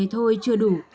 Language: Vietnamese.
thôi chưa đủ